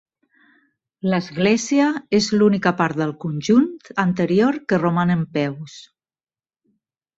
L'església és l'única part del conjunt anterior que roman en peus.